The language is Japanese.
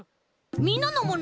みなのもの